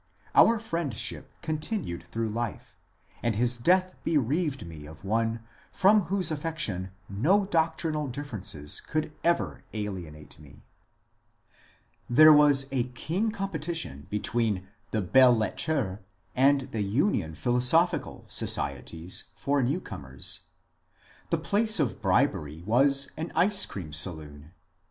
Our friendship continued through life, and his death bereaved me of one from whose affection no doctrinal differences could ever alienate me. CONVERSION 56 There was a keen competition between the Belles Lettres and the Union Philosophical societies for new comers. The place of bribery was an ice cream saloon.